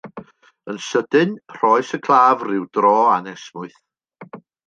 Yn sydyn, rhoes y claf ryw dro anesmwyth.